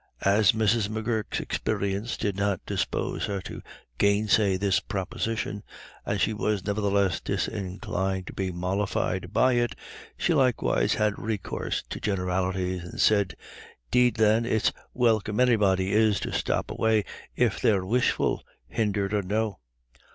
As Mrs. M'Gurk's experience did not dispose her to gainsay this proposition, and she was nevertheless disinclined to be mollified by it, she likewise had recourse to generalities, and said: "'Deed then it's welcome anybody is to stop away if they're wishful, hindered or no.